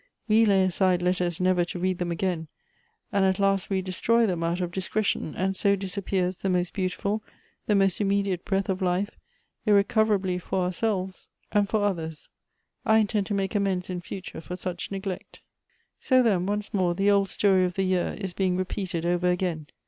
We lay aside letters never to re.id them again, and at last we destroy them out of discre tion, and so disa])pears the most beautiful, the most imme diate breath of life, irrecover.ably for ourselves and for 240 Goethe's others. I intend to make amends in future for such neg lect." " So, then, once more the old story of the year is being ' repeated over again.